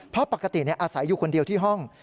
เพราะปกติอาศัยอยู่คนเดียวที่ห้อง